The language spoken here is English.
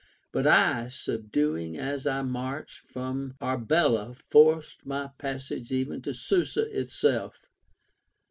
But I,• subduing as I marched, from Arbela forced my passage even to Susa itself.